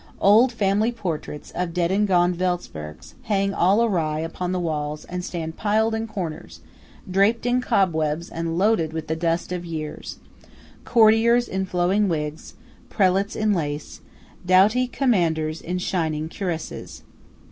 Old family portraits of dead and gone Welspergs hang all awry upon the walls and stand piled in corners, draped in cobwebs and loaded with the dust of years–courtiers in flowing wigs, prelates in lace, doughty commanders in shining cuirasses.